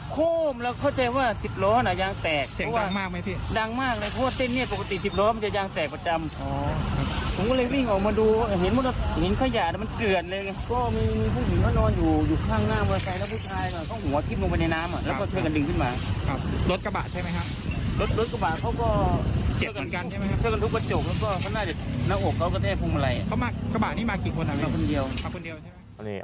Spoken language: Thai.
กระบากนี้มากี่คนครับคุณเดียวคุณเดียวใช่ไหม